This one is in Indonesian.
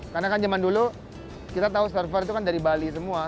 karena kan zaman dulu kita tahu server itu kan dari bali semua